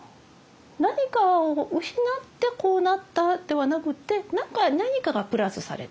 何かを失ってこうなったではなくって何かがプラスされた。